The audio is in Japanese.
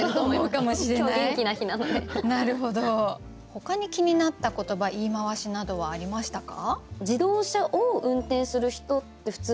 ほかに気になった言葉言い回しなどはありましたか？